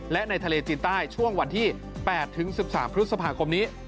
และในทะเลจีนใต้ช่วงวันที่๘ถึง๑๓พฤษภาคมนี้